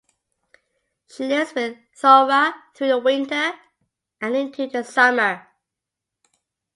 She lives with Thowra through the winter and into the summer.